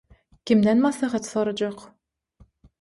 Kimden maslahat sorajak